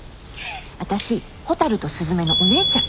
私蛍と雀のお姉ちゃん。